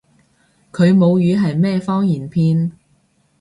佢母語係咩方言片？